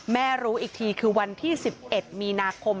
รู้อีกทีคือวันที่๑๑มีนาคม